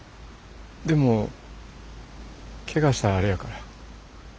でもけがしたらあれやから。